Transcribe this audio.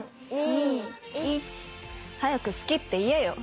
早く好きって言えよ。